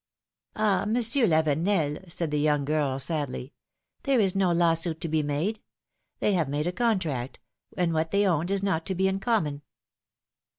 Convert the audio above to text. ^^Ah ! Monsieur Lavenel," said the young girl, sadly, there is no lawsuit to be made. They have made a con tract, and what they owned is not to be in common